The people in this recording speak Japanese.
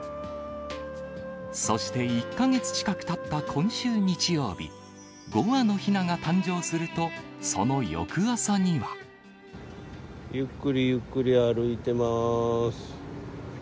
そして１か月近くたった今週日曜日、５羽のひなが誕生すると、その翌朝には。ゆっくりゆっくり歩いてまーす。